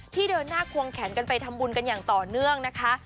เดินหน้าควงแขนกันไปทำบุญกันอย่างต่อเนื่องนะคะ